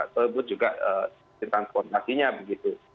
terutama juga transportasinya begitu